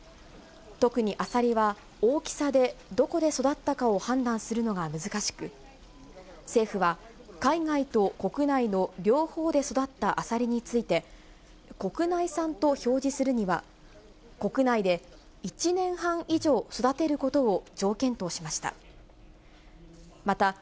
特にアサリは、大きさでどこで育ったかを判断するのが難しく、政府は海外と国内の両方で育ったアサリについて、国内産と表示するには、国内で１年半以上育てることを条件としました。